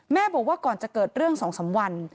แม่บอกว่าก่อนจะเกิดเรื่องสองสามวัน